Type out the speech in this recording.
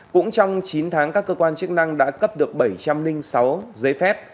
cũng trong chín tháng các cơ quan chức năng đã cấp được bảy trăm linh sáu giấy phép